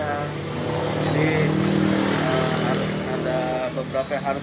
jadi ada beberapa yang harus dihargai